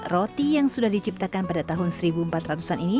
roti yang sudah diciptakan pada tahun seribu empat ratus an ini